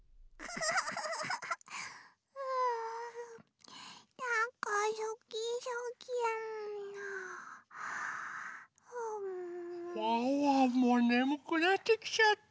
ワンワンもねむくなってきちゃった。